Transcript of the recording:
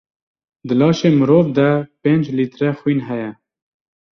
Di laşê mirov de pênc lître xwîn heye.